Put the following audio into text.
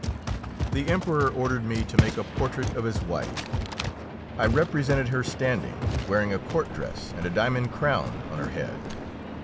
The Emperor ordered me to make a portrait of his wife. I represented her standing, wearing a court dress, and a diamond crown on her head.